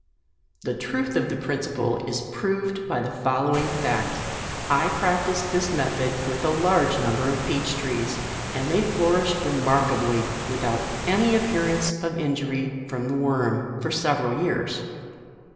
"The truth of the principle is proved by the following fact : I practiced this method with a large number of peach trees, and they flourished remarkably, without any appear ance of injury from .the worm, for several years.